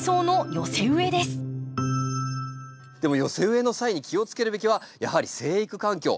でも寄せ植えの際に気をつけるべきはやはり生育環境。